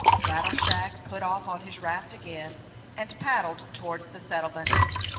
Rattleshag put off on his raft again, and paddled towards the settlement.